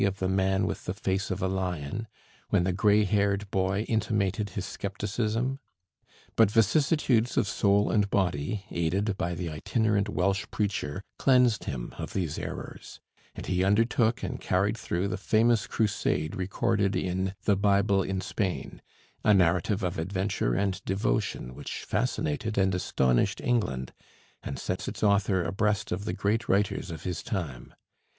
of the man with the face of a lion, when the gray haired boy intimated his skepticism? But vicissitudes of soul and body, aided by the itinerant Welsh preacher, cleansed him of these errors, and he undertook and carried through the famous crusade recorded in 'The Bible in Spain' a narrative of adventure and devotion which fascinated and astonished England, and sets its author abreast of the great writers of his time.